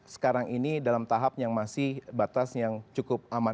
sekarang ini dalam tahap yang masih batas yang cukup aman